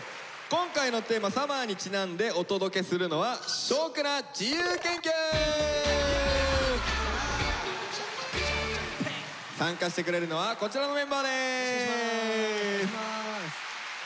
今回のテーマ「ＳＵＭＭＥＲ」にちなんでお届けするのは参加してくれるのはこちらのメンバーです。